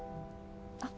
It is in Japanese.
あっ。